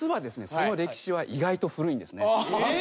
その歴史は意外と古いんですね。